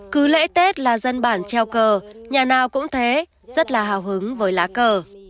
cứ lễ tết là dân bản treo cờ nhà nào cũng thế rất là hào hứng với lá cờ